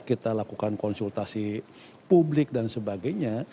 kita lakukan konsultasi publik dan sebagainya